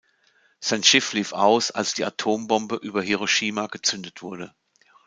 Sein Schiff lief aus, als die Atombombe über Hiroshima gezündet wurde.